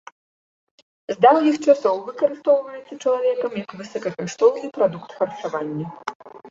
З даўніх часоў выкарыстоўваецца чалавекам як высокакаштоўны прадукт харчавання.